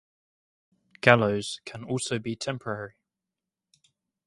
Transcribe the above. Gallows can also be temporary.